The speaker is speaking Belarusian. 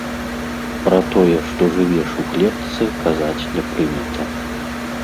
Пра тое, што жывеш у клетцы, казаць не прынята.